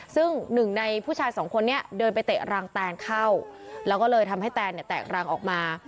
ซึ่งหนึ่งในผู้ชายสองคนนี้เดินไปเตะรังแตนเข้าแล้วก็เลยทำให้แตนเนี่ยแตกรังออกมา